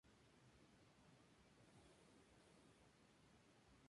Sinceridad, sobre todo.